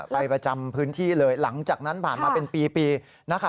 ประจำพื้นที่เลยหลังจากนั้นผ่านมาเป็นปี